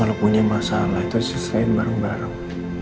kalo punya masalah itu sisain bareng bareng